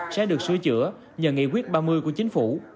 sẽ được sửa chữa nhờ nghị quyết ba mươi của chính phủ